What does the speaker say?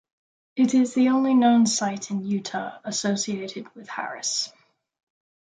It is the only known site in Utah associated with Harris.